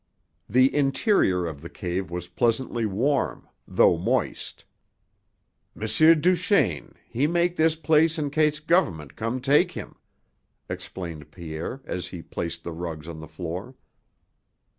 The interior of the cave was pleasantly warm, though moist. "M. Duchaine, he make this place in case gov'ment come take him," explained Pierre as he placed the rugs on the floor.